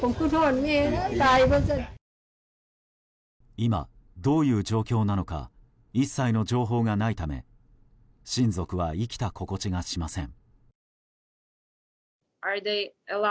今どういう状況なのか一切の情報がないため親族は生きた心地がしません。